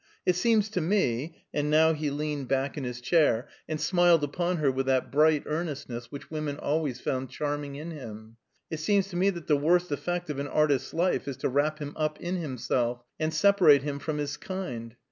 It seems to me," and now he leaned back in his chair, and smiled upon her with that bright earnestness which women always found charming in him, "it seems to me that the worst effect of an artist's life is to wrap him up in himself, and separate him from his kind.